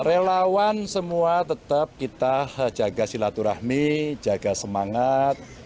relawan semua tetap kita jaga silaturahmi jaga semangat